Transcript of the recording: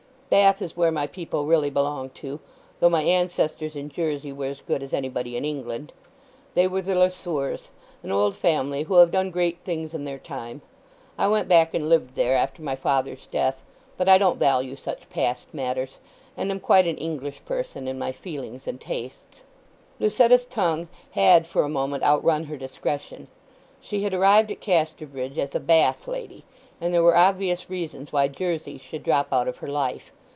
Bath is where my people really belong to, though my ancestors in Jersey were as good as anybody in England. They were the Le Sueurs, an old family who have done great things in their time. I went back and lived there after my father's death. But I don't value such past matters, and am quite an English person in my feelings and tastes." Lucetta's tongue had for a moment outrun her discretion. She had arrived at Casterbridge as a Bath lady, and there were obvious reasons why Jersey should drop out of her life.